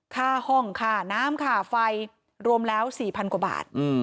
ค่าห้องค่าน้ำค่าไฟรวมแล้ว๔๐๐กว่าบาท